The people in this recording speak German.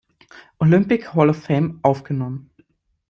Olympic Hall of Fame aufgenommen.